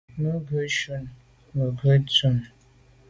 Mə ghʉ̌ nshun ncʉ’ Mə ghʉ̌ tà’ nshunə.